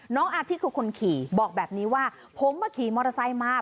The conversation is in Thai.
น้องอาทิตย์คือคนขี่บอกแบบนี้ว่าผมมาขี่มอเตอร์ไซค์มา